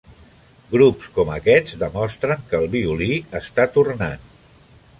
Grups com aquests demostren que el violí està tornant.